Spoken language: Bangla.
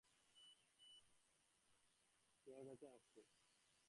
আর তোমার যদি আপত্তি না থাকে, তাহলে আমি মাঝে-মাঝে তোমার কাছে আসব।